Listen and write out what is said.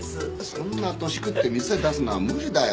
そんな年くって店出すのは無理だよ